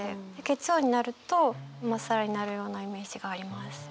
月曜になるとまっさらになるようなイメージがあります。